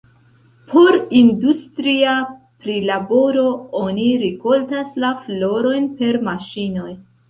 Por industria prilaboro, oni rikoltas la florojn per maŝinoj.